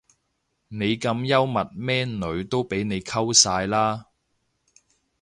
你咁幽默咩女都俾你溝晒啦